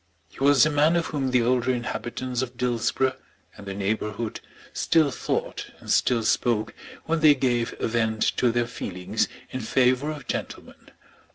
He was the man of whom the older inhabitants of Dillsborough and the neighbourhood still thought and still spoke when they gave vent to their feelings in favour of gentlemen.